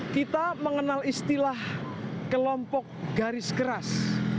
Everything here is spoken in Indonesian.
kita mengenal istilah kelompok garis keras